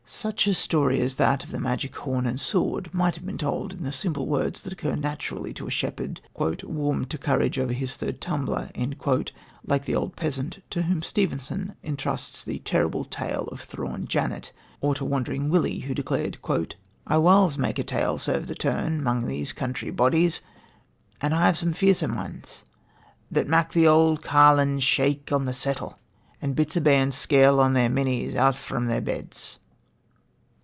Such a story as that of the magic horn and sword might have been told in the simple words that occur naturally to a shepherd, "warmed to courage over his third tumbler," like the old peasant to whom Stevenson entrusts the terrible tale of Thrawn Janet, or to Wandering Willie, who declared: "I whiles mak a tale serve the turn among the country bodies, and I have some fearsome anes, that mak the auld carlines shake on the settle, and bits o' bairns skirl on their minnies out frae their beds."